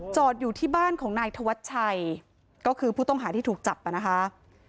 อยู่ที่บ้านของนายธวัชชัยก็คือผู้ต้องหาที่ถูกจับนะคะ